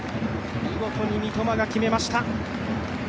見事に三笘が決めました。